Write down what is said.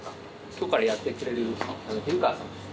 今日からやってくれる比留川さんです。